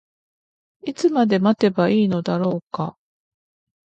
いつまで待てばいいのだろうか。